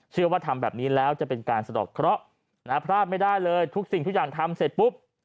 ว่าทำแบบนี้แล้วจะเป็นการสะดอกเคราะห์พลาดไม่ได้เลยทุกสิ่งทุกอย่างทำเสร็จปุ๊บ